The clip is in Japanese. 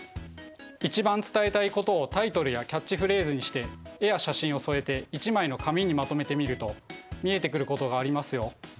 一番伝えたいことをタイトルやキャッチフレーズにして絵や写真を添えて１枚の紙にまとめてみると見えてくることがありますよ。